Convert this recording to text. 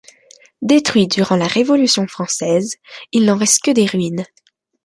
Détruit durant la Révolution française, il n'en reste que des ruines.